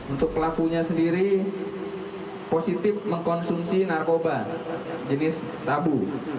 untuk pelakunya sendiri positif mengkonsumsi narkoba jenis sabu